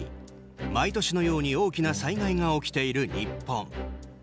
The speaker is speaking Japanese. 毎年のように大きな災害が起きている日本。